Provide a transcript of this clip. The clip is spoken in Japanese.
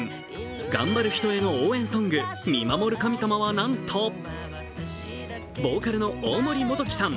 頑張る人への応援ソング、見守る神様はなんと、ボーカルの大森元貴さん。